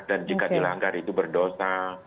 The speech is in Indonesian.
dan jika dilanggar itu berdosa